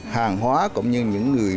hàng hóa cũng như những người mua